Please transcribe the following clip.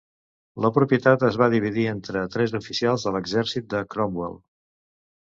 La propietat es va dividir entre tres oficials de l'exèrcit de Cromwell.